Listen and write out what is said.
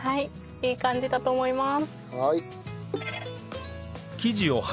いい感じだと思います。